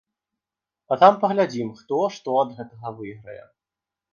А там паглядзім, хто што ад гэтага выйграе.